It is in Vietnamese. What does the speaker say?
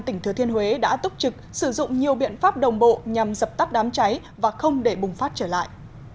tỉnh thừa thiên huế đã túc trực sử dụng nhiều biện pháp đồng bộ nhằm dập tắt đám cháy và không để bùng phát trở lại